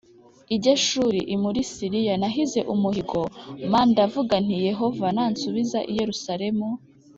i Geshuri l muri Siriya nahize umuhigo m ndavuga nti Yehova nansubiza i Yerusalemu